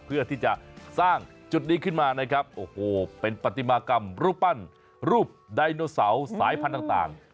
เพื่อที่จะสร้างจุดนี้ขึ้นมานะครับโอ้โหเป็นปฏิมากรรมรูปปั้นรูปไดโนเสาร์สายพันธุ์ต่าง